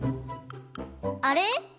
あれ？